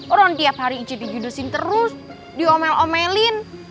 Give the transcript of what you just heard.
orang tiap hari ije dijudesin terus diomel omelin